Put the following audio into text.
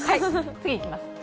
次いきます。